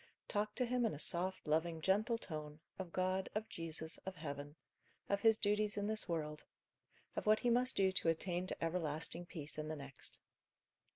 Talk to him in a soft, loving, gentle tone, of God, of Jesus, of heaven; of his duties in this world; of what he must do to attain to everlasting peace in the next.